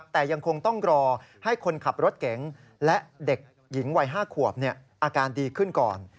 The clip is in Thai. แต่ยังคงต้องรอให้คนขับรถเก๋งและเด็กหญิงวัย๕ขวบอาการดีขึ้นก่อน